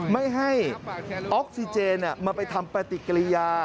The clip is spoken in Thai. ไม่ให้ออกซิเจนมาไปทำปฏิกิริยา